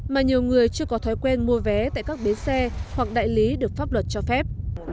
mà nhiều người chưa có thói quen mua vé tại các bến xe hoặc đại lý được pháp luật cho phép